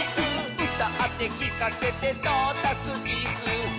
「うたってきかせてトータスイス！」